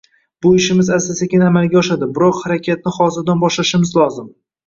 Bu ishimiz asta-sekin amalga oshadi, biroq harakatni hozirdan boshlashimiz lozim